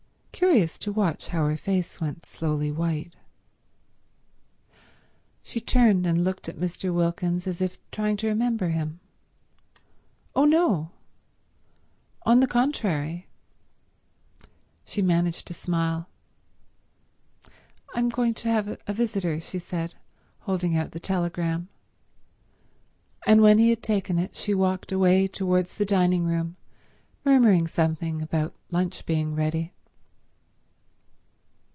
Curious to watch how her face went slowly white. She turned and looked at Mr. Wilkins as if trying to remember him. "Oh no. On the contrary—" She managed to smile. "I'm going to have a visitor," she said, holding out the telegram; and when he had taken it she walked away towards the dining room, murmuring something about lunch being ready.